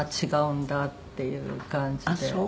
違うんだっていう感じで。